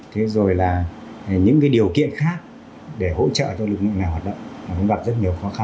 thế rồi là những điều kiện khác để hỗ trợ cho lực lượng này hoạt động cũng gặp rất nhiều khó khăn